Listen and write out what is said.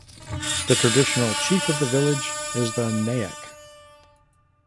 The traditional chief of the village is the "Naik".